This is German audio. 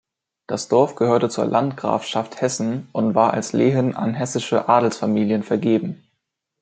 Das Dorf gehörte zur Landgrafschaft Hessen und war als Lehen an hessische Adelsfamilien vergeben.